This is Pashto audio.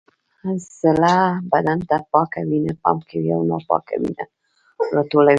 زړه بدن ته پاکه وینه پمپ کوي او ناپاکه وینه راټولوي